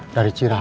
dari ciraos bu